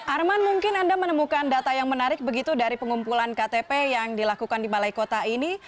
arman mungkin anda menemukan data yang menarik begitu dari pengumpulan ktp yang dilakukan di balai kota ini